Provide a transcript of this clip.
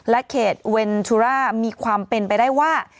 และเขตเวนชุรามีความเป็นไปได้ว่า